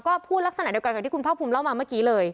ก็พูดลักษณะเดียวกันกับที่คุณภาคภูมิเล่ามาเมื่อกี้เลย